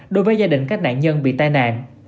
đối với gia đình các nạn nhân bị tai nạn